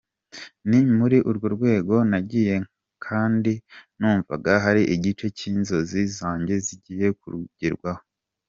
Ni muri urwo rwego nagiye kandi numvaga hari igice cy’inzozi zange zigiye kugerwaho.